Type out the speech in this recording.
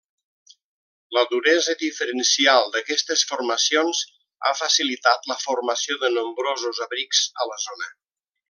La duresa diferencial d'aquestes formacions ha facilitat la formació de nombrosos abrics a la zona.